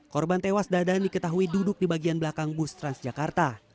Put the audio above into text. korban tewas dadan diketahui duduk di bagian belakang bus transjakarta